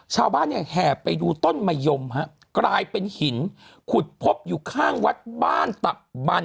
ชาวบ้านเนี่ยแห่ไปดูต้นมะยมฮะกลายเป็นหินขุดพบอยู่ข้างวัดบ้านตับบัน